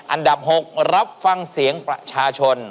อันดับ๖รับฟังเสียงประชาชน